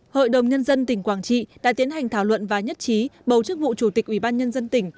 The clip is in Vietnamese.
hội đồng nhân dân tỉnh quảng trị đã tiến hành thảo luận và nhất trí bầu chức vụ chủ tịch ubnd tỉnh